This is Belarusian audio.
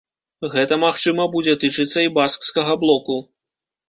Гэта, магчыма, будзе тычыцца і баскскага блоку.